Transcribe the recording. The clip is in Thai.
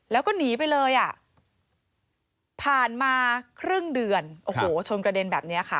แล้วก็หนีไปเลยอ่ะผ่านมาครึ่งเดือนโอ้โหชนกระเด็นแบบนี้ค่ะ